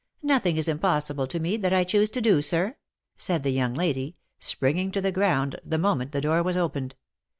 " Nothing is impossible to me, that I choose to do, sir,' 1 said the young lady, springing to the ground the moment the door was opened.